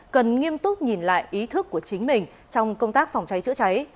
cần nghiêm túc nhìn lại ý thức của chính mình trong công tác phòng cháy chữa cháy